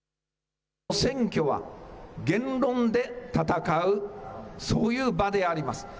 選挙は言論で戦う、そういう場であります。